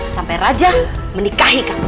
sampai raja menikahi kamu